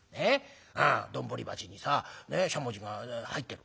丼鉢にさしゃもじが入ってる。